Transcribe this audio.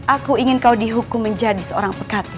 aku ingin kau dihukum menjadi seorang pekati